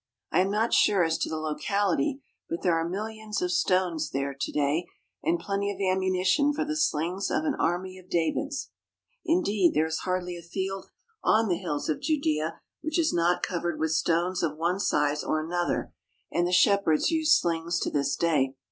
I am not sure as to the locality, but there are millions of stones there to day, and plenty of ammunition for the slings of an army of Davids. In deed, there is hardly a field on the hills of Judea which is not covered with stones of one size or another, and the shepherds use slings to this day.